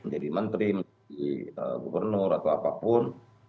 dari menteri menteri gubernur atau apapun